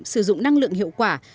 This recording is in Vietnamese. sử dụng năng lượng hiệu quả